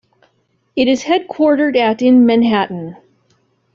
It is headquartered at in Manhattan.